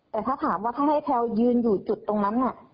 แต่ถ้าถามว่าถ้าให้แพลวยืนอยู่จุดตรงนั้นน่ะ